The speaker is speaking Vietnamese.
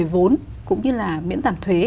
giải phóng tốn cũng như là miễn giảm thuế